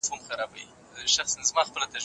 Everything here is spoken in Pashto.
سترگې مې زړه، زړه مې سترگي ـ سترگي شو هغې ته خو